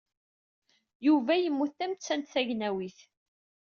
Yuba yemmut tamettant tagmawit.